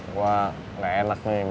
gua gak enak nih